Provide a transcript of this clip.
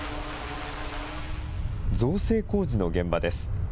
造成工事の現場です。